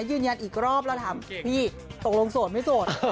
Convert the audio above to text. ยืนยันอีกรอบแล้วถามพี่ตกลงโสดไม่โสด